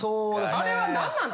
あれは何なの？